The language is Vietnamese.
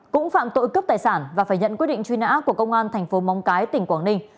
cũng phạm tội cướp tài sản và phải nhận quyết định truy nã của công an tp mông cái tỉnh quảng ninh